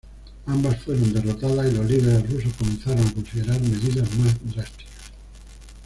Ambas fueron derrotadas y los líderes rusos comenzaron a considerar medidas más drásticas.